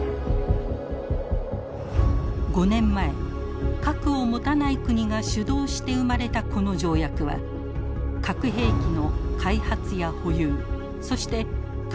５年前核を持たない国が主導して生まれたこの条約は核兵器の開発や保有そして核を使った威嚇も禁止しています。